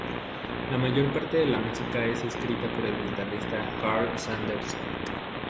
La mayor parte de la música es escrita por el guitarrista Karl Sanders.